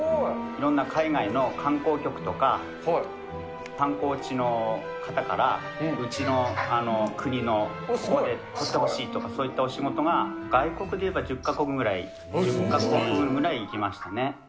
いろんな海外の観光局とか、観光地の方から、うちの国のここで撮ってほしいとか、そういったお仕事が、外国でいえば１０か国ぐらい行きましたね。